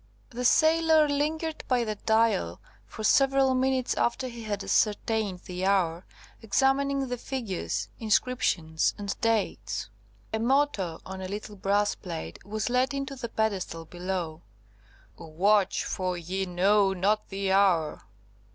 The sailor lingered by the Dial for several minutes after he had ascertained the hour, examining the figures, inscriptions, and dates. A motto on a little brass plate was let into the pedestal below: "Watch, for ye know not the hour."